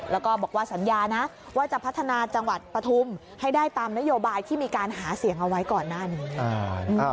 แล้วก็บอกว่าสัญญานะว่าจะพัฒนาจังหวัดปฐุมให้ได้ตามนโยบายที่มีการหาเสียงเอาไว้ก่อนหน้านี้